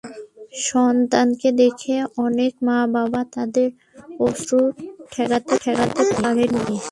সন্তানকে দেখে অনেক মা বাবা তাদের অশ্রু ঠেকাতে পারেননি।